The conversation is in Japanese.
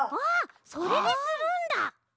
あそれでするんだ！